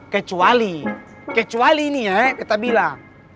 kecuali kecuali nih ya betta bilang